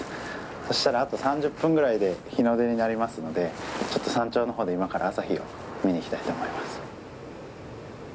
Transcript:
そしたらあと３０分ぐらいで日の出になりますのでちょっと山頂の方で今から朝日を見に行きたいと思います。